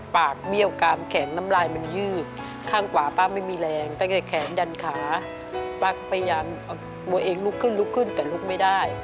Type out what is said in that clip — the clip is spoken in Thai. บัวเองลุกขึ้นแต่ลุกไม่ได้